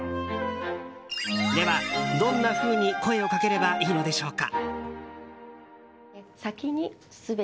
では、どんなふうに声をかければいいのでしょうか。